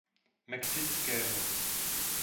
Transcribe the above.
Mexického.